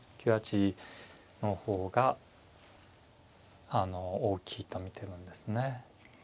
９八の方が大きいと見てるんですね。